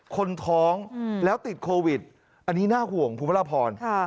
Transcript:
คนท้องแล้วติดโควิดอันนี้น่าห่วงคุณพระราพร